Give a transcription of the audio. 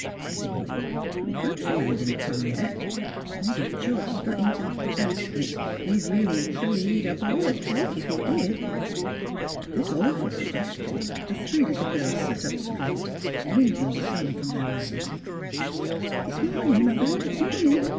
'N', anyway, the grocery man didn't come yet. Maybe Georgie's got int' the baskets. He'd really an' truly eat up all the cake if he did." At this awful suggestion the three little girls sat up straight, winking the sun from their eyes. '' It's morning, mother. It's morning.